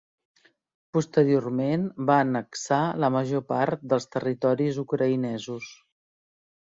Posteriorment va annexar la major part dels territoris ucraïnesos.